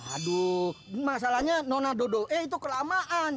aduh masalahnya nona dodo e itu kelamaan